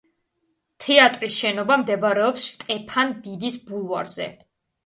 თეატრის შენობა მდებარეობს შტეფან დიდის ბულვარზე.